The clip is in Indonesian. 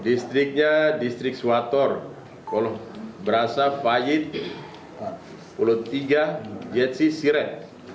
distriknya distrik swator brasa fahid pulau tiga jetsi siret